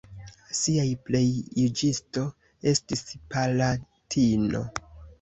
Siaj plej juĝisto estis palatino.